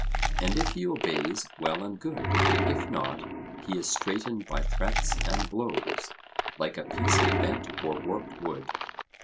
And if he obeys, well and good; if not, he is straightened by threats and blows, like a piece of bent or warped wood.